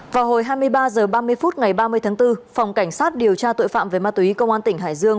vào hồi hai mươi ba h ba mươi phút ngày ba mươi tháng bốn phòng cảnh sát điều tra tội phạm về ma túy công an tỉnh hải dương